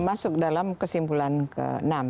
masuk dalam kesimpulan ke enam